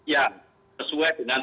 ya sesuai dengan